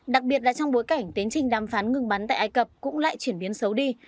đặc biệt là trong bối cảnh tiến trình đàm phán ngừng bắn tại ai cập cũng lại chuyển biến xấu đi